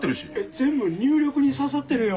全部入力に挿さってるよ。